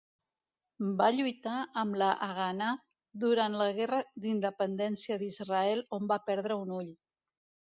Va lluitar amb la Haganà durant la Guerra d'Independència d'Israel on va perdre un ull.